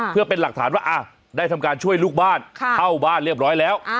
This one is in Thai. เพื่อเป็นหลักฐานว่าได้ทำการช่วยลูกบ้านเข้าบ้านเรียบร้อยแล้ว